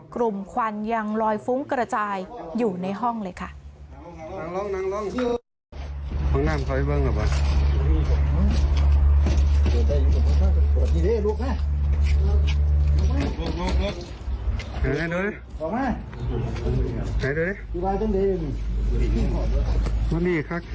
ควันยังลอยฟุ้งกระจายอยู่ในห้องเลยค่ะ